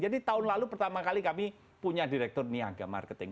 jadi tahun lalu pertama kali kami punya direktur niaga marketing